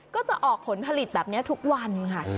ก็จะออกผลผลิตแบบนี้ทุกวันค่ะ